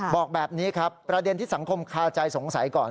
บอกแบบนี้ครับประเด็นที่สังคมคาใจสงสัยก่อน